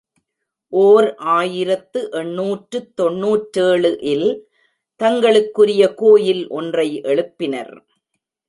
ஓர் ஆயிரத்து எண்ணூற்று தொன்னூற்றேழு இல் தங்களுக்குரிய கோயில் ஒன்றை எழுப்பினர்.